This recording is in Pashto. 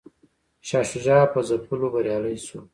شاه شجاع په ځپلو بریالی شو.